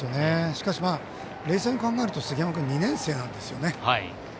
しかし、冷静に考えると杉山君は２年生なんですね。